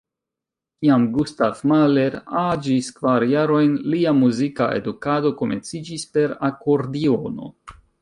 Kiam Gustav Mahler aĝis kvar jarojn, lia muzika edukado komenciĝis per akordiono.